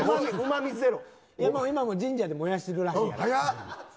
今も神社で燃やしてるらしい。